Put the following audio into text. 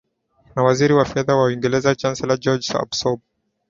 na waziri wa fedha wa uingereza chancellor george osborn